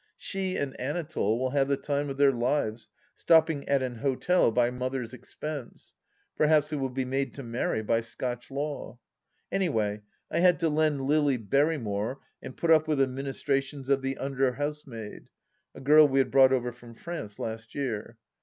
She and Anatole will have the time of their lives; stopping at an hotel at Mother's expense ! Perhaps they will be made to marry by Scotch law ? Any way, I had to lend LUy Berrymore and put up with the ministrations of the under housemaid— a girl we had brought over from France last year.